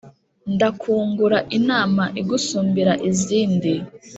Ndakungura inama Igusumbira izindi